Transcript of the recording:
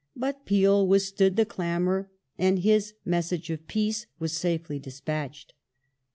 But Peel withstood the clamour and his " message of peace " was safely despatched.